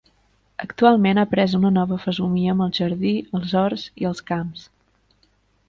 Actualment ha pres una nova fesomia amb el jardí, els horts i els camps.